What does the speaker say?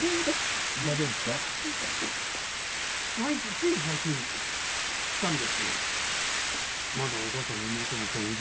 つい最近知ったんですよ。